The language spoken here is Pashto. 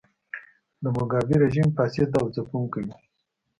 د موګابي رژیم فاسد او ځپونکی و.